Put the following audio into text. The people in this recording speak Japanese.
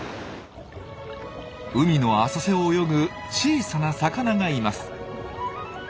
海の浅瀬を泳ぐ小さな魚がいます。